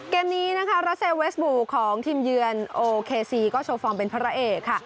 เกมนี้นะคะรัสเซลเวสบูของทีมเยือนโอเคซีก็โชว์ฟอร์มเป็นพระเอกค่ะ